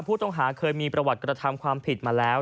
ผู้ต้องหาเคยมีประวัติกระทำความผิดมาแล้ว